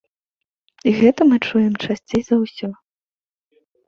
Гэта мы чуем часцей за ўсё.